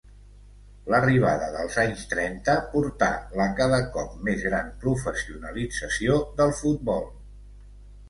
L'arribada dels anys trenta portà la cada cop més gran professionalització del futbol.